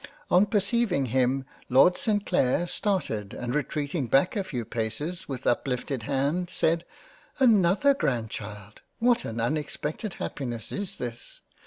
On perceiving him Lord St. Clair started and retreating back a few paces, with uplifted Hands, said, " Another Grand child ! What an unexpected Happiness is this